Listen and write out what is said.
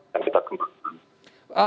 yang kita kembangkan